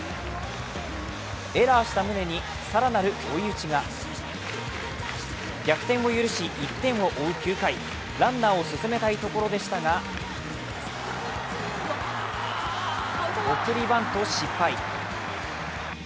エラーした宗に、更なる追い打ちが逆転を許し１点を追う９回、ランナーを進めたいところでしたが送りバント失敗。